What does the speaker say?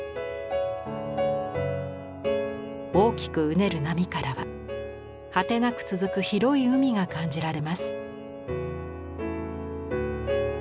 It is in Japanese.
大きくうねる波からは果てなく続く広い海が感じられます。